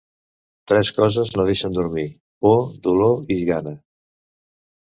Tres coses no deixen dormir: por, dolor i gana.